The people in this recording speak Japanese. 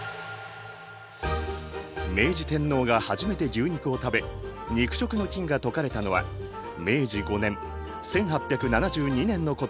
明治天皇が初めて牛肉を食べ肉食の禁が解かれたのは明治５年１８７２年のことである。